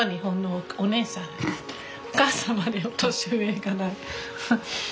お母さんまで年上いかない。